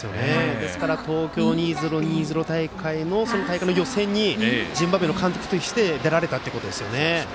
東京２０２０大会もその大会の予選に、ジンバブエの監督として出られたってことですよね。